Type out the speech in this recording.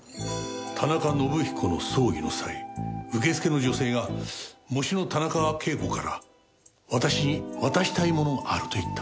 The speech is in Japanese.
田中伸彦の葬儀の際受付の女性が喪主の田中啓子から私に渡したいものがあると言った。